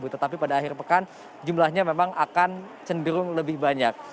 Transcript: tetapi pada akhir pekan jumlahnya memang akan cenderung lebih banyak